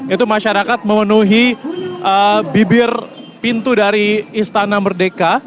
itu masyarakat memenuhi bibir pintu dari istana merdeka